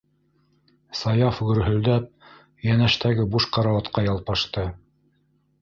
- Саяф гөрһөлдәп йәнәштәге буш карауатҡа ялпашты.